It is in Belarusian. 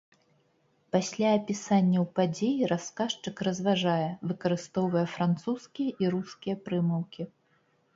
Пасля апісанняў падзей расказчык разважае, выкарыстоўвае французскія і рускія прымаўкі.